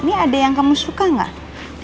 nih ada yang kamu suka gak